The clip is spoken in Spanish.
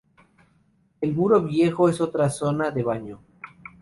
El Muro Viejo es otra zona de baño.